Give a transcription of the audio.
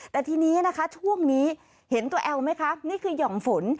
แต่ทีนี้นะคะช่วงนี้เห็นตัวแอลไหมคะนี่คือหย่อมฝน